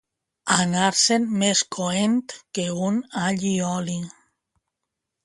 Anar-se'n més coent que un allioli.